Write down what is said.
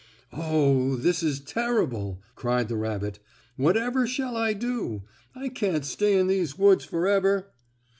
"Oh, this is terrible!" cried the rabbit. "Whatever shall I do? I can't stay in these woods forever."